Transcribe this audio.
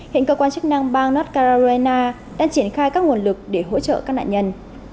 hiện cơ quan chức năng bang north carolina đang triển khai các nguồn lực để hỗ trợ các nạn nhân